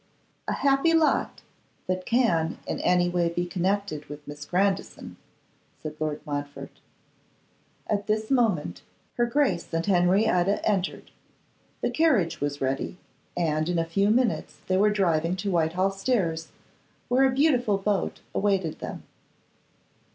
'A happy lot that can in any way be connected with Miss Grandison,' said Lord Montfort. At this moment her Grace and Henrietta entered; the carriage was ready; and in a few minutes they were driving to Whitehall Stairs, where a beautiful boat awaited them.